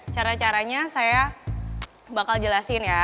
cara caranya saya bakal jelasin ya